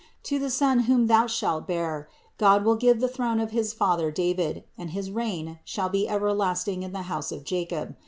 To the Son whom Thou shalt bear, God will give the throne of his father David and his reign shall be everlasting in the house of Jacob.